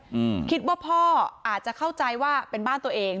อืมคิดว่าพ่ออาจจะเข้าใจว่าเป็นบ้านตัวเอง